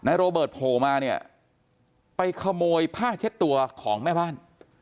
โรเบิร์ตโผล่มาเนี่ยไปขโมยผ้าเช็ดตัวของแม่บ้าน